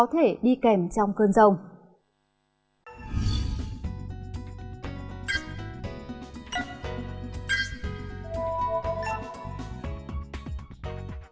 để đi kèm trong cơn rông